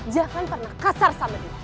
jangan pernah kasar sama dia